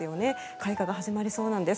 開花が始まりそうなんです。